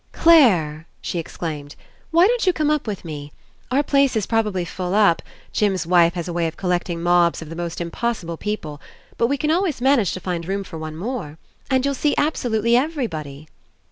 "Clare!" she exclaimed, "why don't you come up with me? Our place Is probably full up — Jim's wife has a way of collecting mobs of the most Impossible people — but we can always manage to find room for one more. And you'll see absolutely everybody."